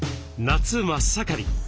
夏真っ盛り。